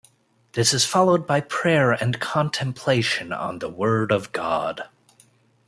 This is followed by prayer and contemplation on the Word of God.